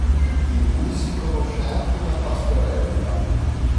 Di lui si conosce anche una pastorella.